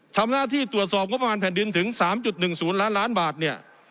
ทำหน้าที่ตรวจสอบงบประมาณแผ่นดินถึง๓๑๐ล้านล้านบาทเนี่ย